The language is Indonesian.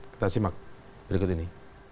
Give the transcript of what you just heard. kita simak berikut ini